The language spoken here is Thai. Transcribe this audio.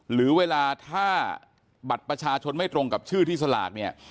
หรือเวลาถ้าบัตรประชาชนไม่ตรงกับชื่อที่สลากเนี่ย